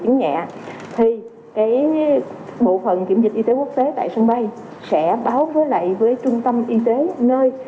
chứng nhẹ thì cái bộ phần kiểm dịch y tế quốc tế tại sân bay sẽ báo với lại với trung tâm y tế nơi